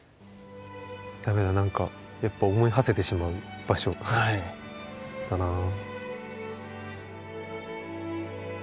駄目だ何かやっぱ思いはせてしまう場所だなあ。